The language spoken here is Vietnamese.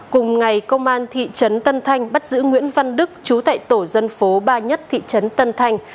cùng ngày công an thị trấn tân thanh bắt giữ nguyễn văn đức chú tại tổ dân phố ba nhất thị trấn tân thanh